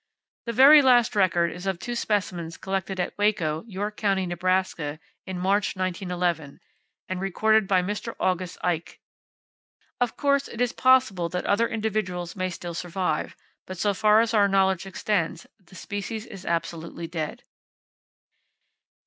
The very last record is of two specimens collected at Waco, York County, Nebraska, in March, 1911, and recorded by Mr. August Eiche. Of course, it is possible that other individuals may still survive; but so far as our knowledge extends, the species is absolutely dead.